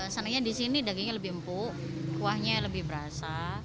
senangnya di sini dagingnya lebih empuk kuahnya lebih berasa